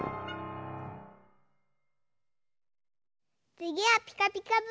つぎは「ピカピカブ！」だよ。